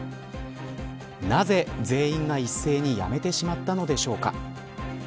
なぜ全員が一斉に辞めてしまったのでしょうか。